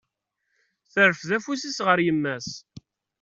Terfed afus-s ɣer yemma-s!